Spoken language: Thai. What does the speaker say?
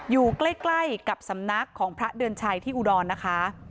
อยู่ใกล้กับสำนักของพระเดือนชัยที่อุดรนะคะ